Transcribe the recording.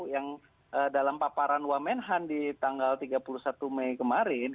yang dalam paparan wamenhan di tanggal tiga puluh satu mei kemarin